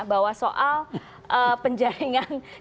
bahwa soal penjaringan cawapres ini kemudian ditunjukkan oleh pratikno